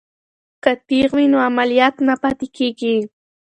که تیغ وي نو عملیات نه پاتې کیږي.